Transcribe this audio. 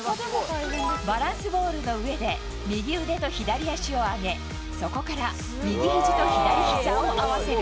バランスボールの上で右腕と左足を上げ、そこから右ひじと左ひざを合わせる。